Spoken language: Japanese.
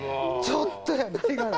ちょっとやないがな。